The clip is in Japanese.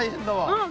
うん。